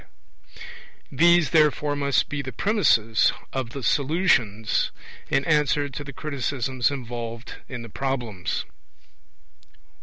These, therefore, must be the premisses of the Solutions in answer to the criticisms involved in the Problems.